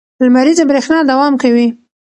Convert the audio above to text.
لمریزه برېښنا دوام کوي.